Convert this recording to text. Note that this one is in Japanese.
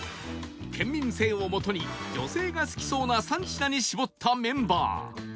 県民性を基に女性が好きそうな３品に絞ったメンバー